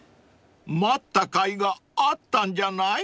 ［待ったかいがあったんじゃない？］